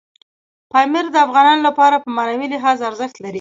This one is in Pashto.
پامیر د افغانانو لپاره په معنوي لحاظ ارزښت لري.